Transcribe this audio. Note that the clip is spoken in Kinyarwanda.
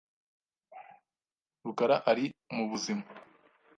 rukara ari mubuzima .